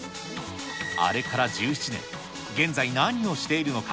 あれから１７年、現在、何をしているのか。